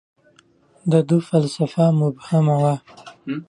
• د ده فلسفه مبهمه وه.